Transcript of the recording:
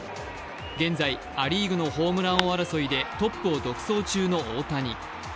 現在、ア・リーグのホームラン王争いでトップを独走中の大谷。